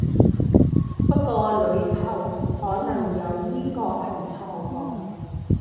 不過裡頭可能有呢個係錯個